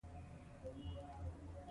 ځغاسته د ذهن له خستګي خلاصوي